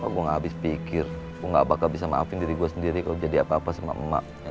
gua habis pikir enggak bakal bisa maafin diri gue sendiri kau jadi apa apa sama emak yang